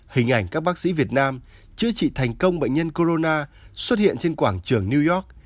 hình ảnh các bác sĩ việt nam chữa trị thành công bệnh nhân corona xuất hiện trên quảng trường new york